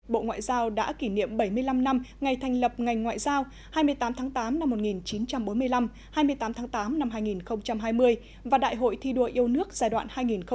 bộ ngoại giao đã kỷ niệm bảy mươi năm năm ngày thành lập ngành ngoại giao hai mươi tám tháng tám năm một nghìn chín trăm bốn mươi năm hai mươi tám tháng tám năm hai nghìn hai mươi và đại hội thi đua yêu nước giai đoạn hai nghìn hai mươi hai nghìn hai mươi năm